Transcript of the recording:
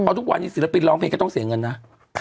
ทุกวันนี้ศิลปินร้องเพลงก็ต้องเสียเงินนะ